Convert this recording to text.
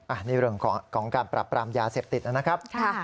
อันนี้เรื่องของการปรับปรามยาเสพติดนะครับ